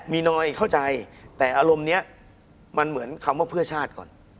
มีน้อยเข้าใจแต่อารมณ์นี้มันเหมือนคำว่าเพื่อชาติก่อน